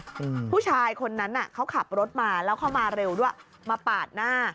อืมผู้ชายคนนั้นอ่ะเขาขับรถมาแล้วเขามาเร็วด้วยมาปาดหน้า